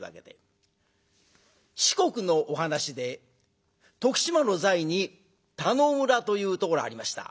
四国のお噺で徳島の在に田能村というところがありました。